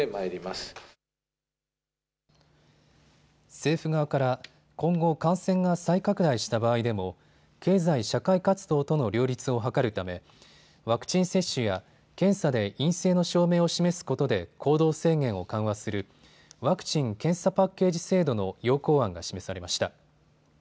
政府側から今後、感染が再拡大した場合でも経済社会活動との両立を図るためワクチン接種や検査で陰性の証明を示すことで行動制限を緩和するワクチン・検査パッケージ制度の要綱案が示されました。